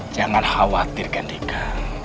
jangan khawatir gendika